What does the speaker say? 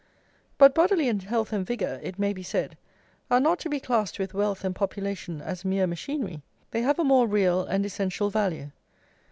But bodily health and vigour, it may be said, are not to be classed with wealth and population as mere machinery; they have a more real and essential value.